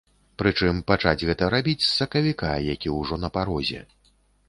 Прычым, пачаць гэта рабіць з сакавіка, які ўжо на парозе.